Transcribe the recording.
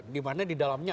di mana di dalamnya